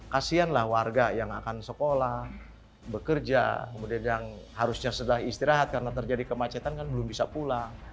kasian lah warga yang akan sekolah bekerja kemudian yang harusnya setelah istirahat karena terjadi kemacetan kan belum bisa pulang